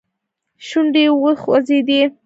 شونډې يې وخوځېدې.